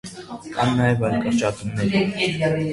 Կան նաև այլ կրճատումներ։